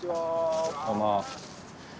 どうも。